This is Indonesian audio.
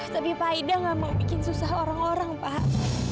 tapi pak ida gak mau bikin susah orang orang pak